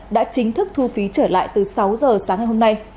đã chính thức thu phí trở lại từ sáu giờ sáng ngày hôm nay